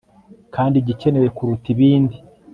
kandi igikenewe kuruta ibindi